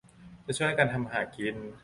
จะช่วยกันทำมาหากิน